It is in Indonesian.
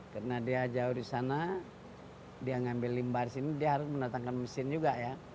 karena dia jauh di sana dia ngambil limbah di sini dia harus menetangkan mesin juga ya